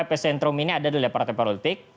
epicentrum ini ada di partai politik